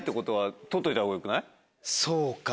そうか。